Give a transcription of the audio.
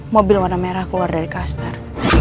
mobil warna merah keluar dari kaster